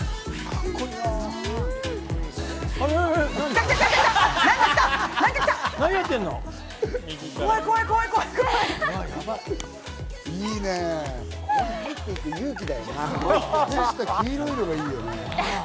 靴下黄色いのがいいよね。